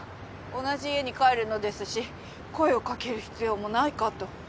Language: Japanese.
同じ家に帰るのですし声をかける必要もないかと。